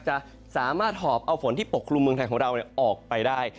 จะสามารถหอบเอาฝนที่ปกคลุมเมืองไทยของเราออกไปได้